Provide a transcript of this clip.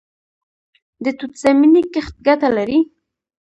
د توت زمینی کښت ګټه لري؟